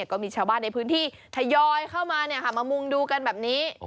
ก็มีชาวบ้านในพื้นที่ทยอยเข้ามามามุงดูกันแบบนี้